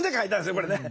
これね。